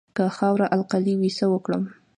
که خاوره القلي وي څه وکړم؟